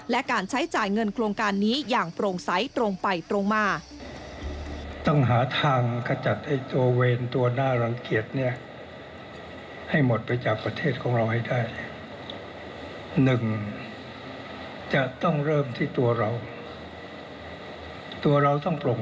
และการใช้จ่ายเงินโครงการนี้อย่างโปร่งใสตรงไปตรงมา